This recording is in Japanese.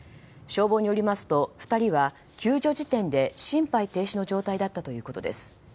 消防によりますと２人は救助時点で心肺停止の状態だったということです。